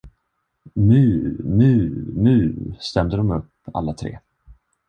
Mu, mu, mu, stämde de upp alla tre.